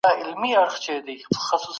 هغه پرېکړه چي په انصاف ولاړه وي تل تلپاتې وي.